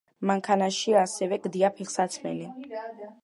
მანქანაში ასევე გდია ფეხსაცმელი.